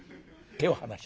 手を離して。